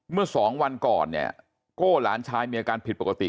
เมื่อสองวันก่อนเนี่ยโก้หลานชายมีอาการผิดปกติ